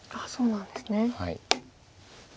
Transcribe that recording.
そうなんですね。